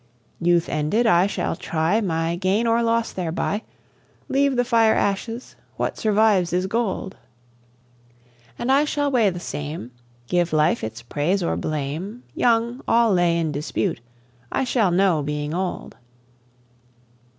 Youth ended, I shall try My gain or loss thereby; Leave the fire ashes, what survives is gold: And I shall weigh the same, Give life its praise or blame: Young, all lay in dispute; I shall know, being old.